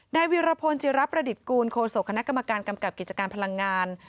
นายวิรพลจิรับประดิษฐ์กูลโคศกคณะกรรมการกำกับกิจการพลังงาน